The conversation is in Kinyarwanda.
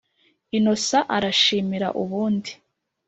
innocent arashimira ubundi